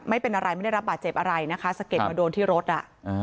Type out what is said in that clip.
ไม่เป็นอะไรไม่ได้รับบาดเจ็บอะไรนะคะสะเก็ดมาโดนที่รถอ่ะ